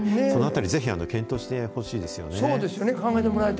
そのあたり、ぜひ検討してほしいですよね。